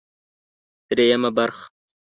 درېيمه برخه